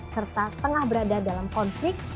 serta tengah berada dalam konflik